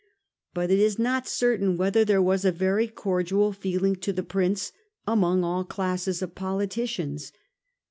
But it is not certain whether there was a very cordial feeling to the Prince among all classes of politicians.